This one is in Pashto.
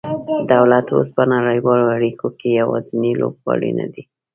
دولت اوس په نړیوالو اړیکو کې یوازینی لوبغاړی نه دی